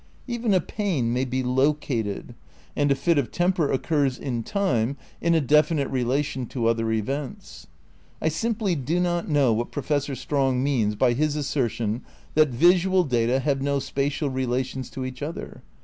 Even a pain may be "located," and a fit of temper oc curs in time in a definite relation to other events. I simply do not know what Professor Strong means by his assertion that visual data have no spatial relations to each other.